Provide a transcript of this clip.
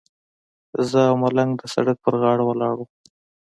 زه او ملنګ د سړک پر غاړه ولاړ وو.